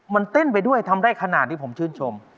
มันเต้นไปด้วยทำได้ขนาดนี้ผมชื่นชม